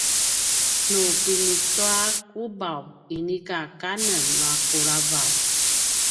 nu pinituakubav inika kanen nua kulavav